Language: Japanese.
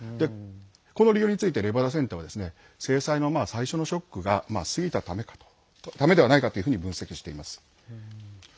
この理由についてレバダセンターは制裁の最初のショックが過ぎたためではないかというふうに分析しています。